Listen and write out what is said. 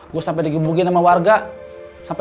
gue sampe digibugin sama warga